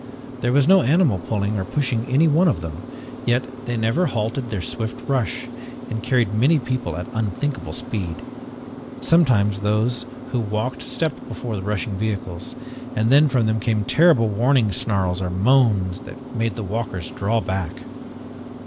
There was no animal pulling or pushing any one of them, yet they never halted their swift rush, and carried many people at unthinkable speed. Sometimes those who walked stepped before the rushing vehicles, and then from them came terrible warning snarls or moans that made the walkers draw back.